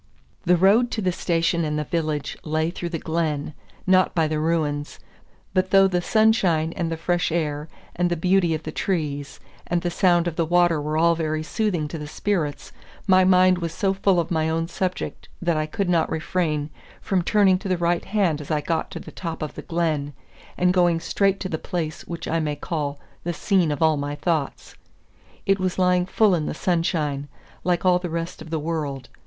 The road to the station and the village lay through the glen, not by the ruins; but though the sunshine and the fresh air, and the beauty of the trees, and the sound of the water were all very soothing to the spirits, my mind was so full of my own subject that I could not refrain from turning to the right hand as I got to the top of the glen, and going straight to the place which I may call the scene of all my thoughts. It was lying full in the sunshine, like all the rest of the world.